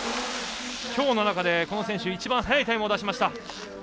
きょうの中で、この選手一番速いタイムを出しました。